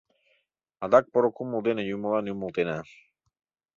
Адак поро кумыл дене юмылан юмылтена!